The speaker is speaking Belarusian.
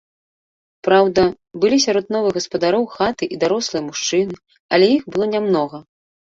Праўда, былі сярод новых гаспадароў хаты і дарослыя мужчыны, але іх было нямнога.